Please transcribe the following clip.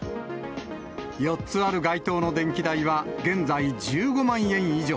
４つある街灯の電気代は現在１５万円以上。